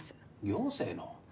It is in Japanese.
行政の？